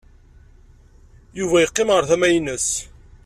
Yuba yeqqim ɣer tama-nnes.